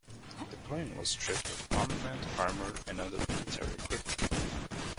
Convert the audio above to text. The plane was stripped of armament, armor, and other military equipment.